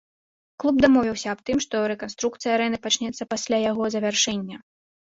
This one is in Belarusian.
Клуб дамовіўся аб тым, што рэканструкцыя арэны пачнецца пасля яго завяршэння.